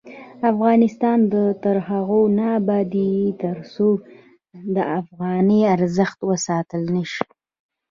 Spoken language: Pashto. افغانستان تر هغو نه ابادیږي، ترڅو د افغانۍ ارزښت وساتل نشي.